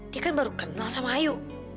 dia kan baru kenal sama ayu